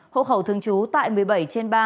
hộ khẩu thường trú tại một mươi bảy trên ba